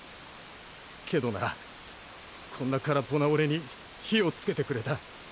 けどなこんな空っぽな俺に火をつけてくれた。